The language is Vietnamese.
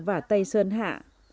và tây sơn hạ